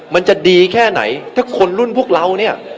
มันจะดีแค่ไหนถ้าคนรุ่นพวกเราเนี่ย